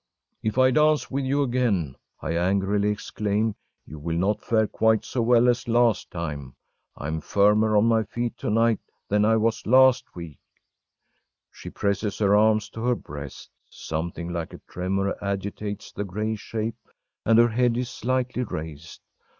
“If I dance with you again,‚ÄĚ I angrily exclaim, “you will not fare quite so well as last time! I am firmer on my feet to night than I was last week!‚ÄĚ She presses her arms to her breast, something like a tremor agitates the gray shape, and her head is slightly raised.